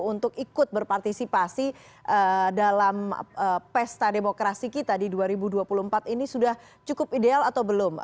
untuk ikut berpartisipasi dalam pesta demokrasi kita di dua ribu dua puluh empat ini sudah cukup ideal atau belum